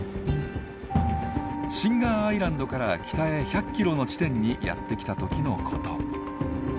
シンガーアイランドから北へ１００キロの地点にやって来たときのこと。